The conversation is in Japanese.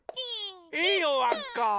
いいよわっか！